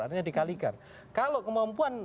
artinya dikalikan kalau kemampuan